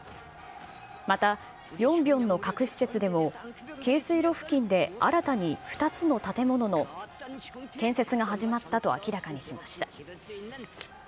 また、ヨンビョンの核施設でも、軽水炉付近で新たに２つの建物の建設が始まったと明らかにしました。